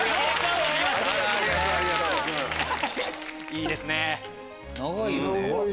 いいですね！